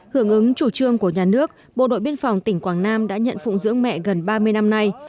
hưởng ứng chủ trương của nhà nước bộ đội biên phòng tỉnh quảng nam đã nhận phụng dưỡng mẹ gần ba mươi năm nay